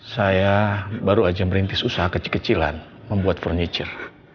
saya baru saja merintis usaha kecil kecilan membuat peralatan